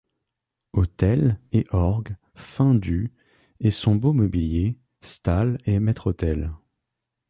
Autels et orgues fin du et son beau mobilier, stalles et maître-autel.